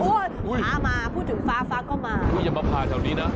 ท้ามาพูดถึงฟ้าฟ้าก็มาอย่ามาพาแถวนี้นะ